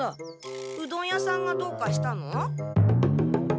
うどん屋さんがどうかしたの？